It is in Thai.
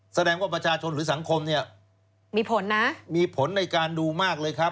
แสดงว่าประชาชนหรือสังคมมีผลในการดูมากเลยครับ